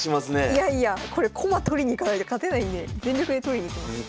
いやいやこれ駒取りに行かないと勝てないんで全力で取りに行きます。